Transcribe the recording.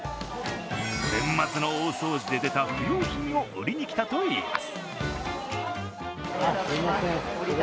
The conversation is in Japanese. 年末の大掃除で出た不用品を売りに来たといいます。